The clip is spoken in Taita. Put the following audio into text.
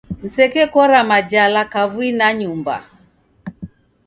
Msekekora majala kavui na nyumba